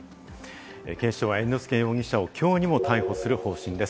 警視庁は猿之助容疑者を今日にも逮捕する方針です。